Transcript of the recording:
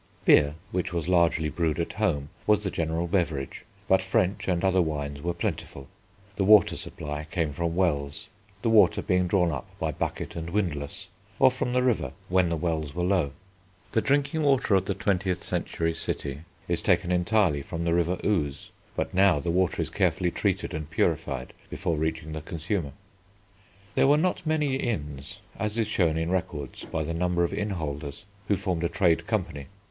Beer, which was largely brewed at home, was the general beverage, but French and other wines were plentiful. The water supply came from wells, the water being drawn up by bucket and windlass, or from the river when the wells were low. The drinking water of the twentieth century city is taken entirely from the River Ouse, but now the water is carefully treated and purified before reaching the consumer. There were not many inns, as is shown in records by the number of innholders, who formed a trade company.